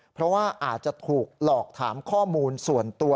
เพราะว่าอาจจะถูกหลอกถามข้อมูลส่วนตัว